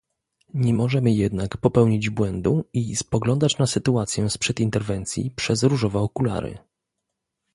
Nie możemy jednak popełnić błędu i spoglądać na sytuację sprzed interwencji przez różowe okulary